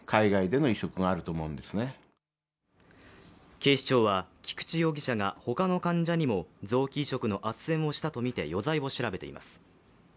警視庁は菊池容疑者が他の患者にも臓器移植のあっせんをしたとみて余罪を調べています。